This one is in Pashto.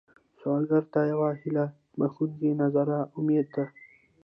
سوالګر ته یو هيله بښونکی نظر امید دی